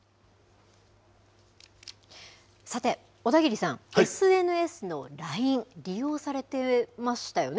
さて、小田切さん、ＳＮＳのＬＩＮＥ、利用されてましたよね。